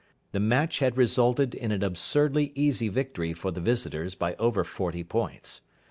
The match had resulted in an absurdly easy victory for the visitors by over forty points.